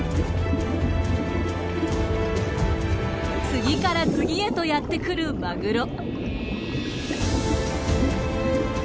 次から次へとやって来るマグロ。